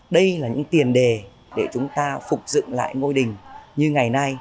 đây là những tiền đề để chúng ta phục dựng lại ngôi đình như ngày nay